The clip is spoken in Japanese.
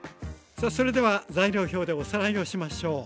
さあそれでは材料表でおさらいをしましょう。